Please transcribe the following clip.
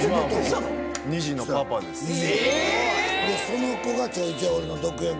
でその子が。